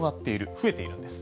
増えているんです。